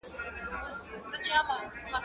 امادګي د ښوونکي له خوا منظم کيږي؟